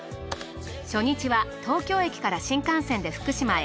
初日は東京駅から新幹線で福島へ。